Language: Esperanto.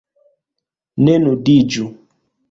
Ne nudiĝu.